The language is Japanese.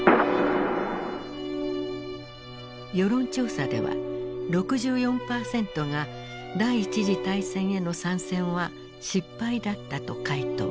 世論調査では６４％が第一次大戦への参戦は失敗だったと回答。